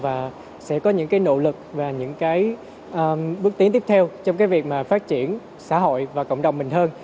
và sẽ có những cái nỗ lực và những cái bước tiến tiếp theo trong cái việc mà phát triển xã hội và cộng đồng mình hơn